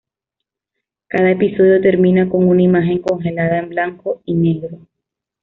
Cada episodio termina con una imagen congelada en blanco y negro.